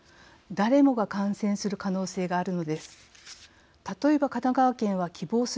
誰もが感染する可能性があるのです。